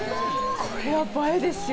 これは映えですよ